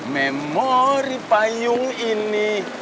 memori payung ini